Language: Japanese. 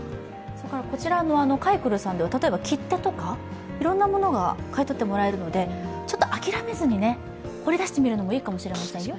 買いクルさんでは例えば切手とか、いろんなものが買い取ってもらえるので、ちょっと諦めずに掘り出してみるのもいいかもしれませんよ。